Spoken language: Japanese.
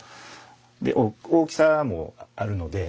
で大きさもあるので。